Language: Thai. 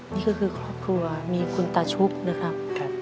นี่ก็คือครอบครัวมีคุณตาชุบนะครับ